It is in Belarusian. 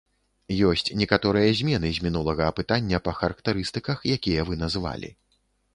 Ёсць некаторыя змены з мінулага апытання па характарыстыках, якія вы назвалі.